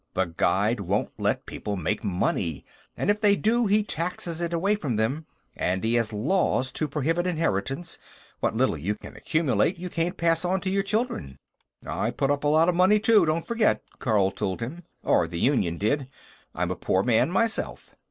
The Guide won't let people make money, and if they do, he taxes it away from them. And he has laws to prohibit inheritance; what little you can accumulate, you can't pass on to your children." "I put up a lot of the money, too, don't forget," Carl told him. "Or the Union did; I'm a poor man, myself."